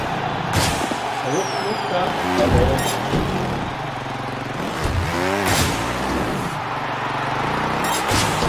Аусурҭа ҟалоит.